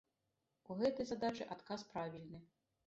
У гэтай задачы адказ правільны.